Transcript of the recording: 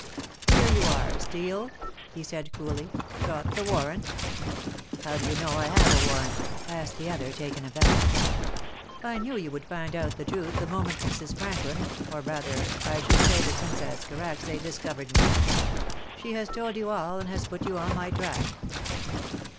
"Here you are, Steel," he said coolly. "Got the warrant?" "How do you know I have a warrant?" asked the other, taken aback. "I knew you would find out the truth the moment Mrs. Franklin, or rather, I should say the Princess Karacsay, discovered me. She has told you all and has put you on my track."